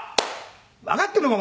「わかってんのか？